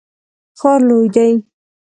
ښار لوی دی